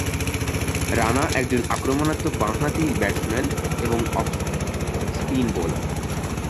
রানা একজন আক্রমণাত্মক বাঁহাতি ব্যাটসম্যান এবং অফ স্পিন বোলার।